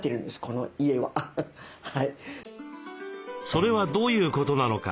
それはどういうことなのか？